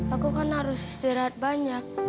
aku kan harus istirahat banyak